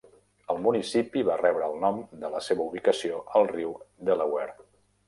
El municipi va rebre el nom de la seva ubicació al riu Delaware.